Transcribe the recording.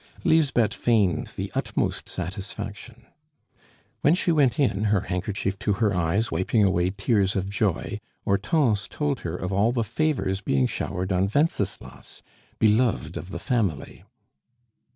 Lisbeth feigned the utmost satisfaction. When she went in, her handkerchief to her eyes, wiping away tears of joy, Hortense told her of all the favors being showered on Wenceslas, beloved of the family.